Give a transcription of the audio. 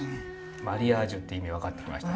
マリアージュっていう意味分かってきました。